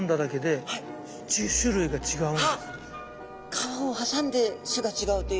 川を挟んで種が違うという。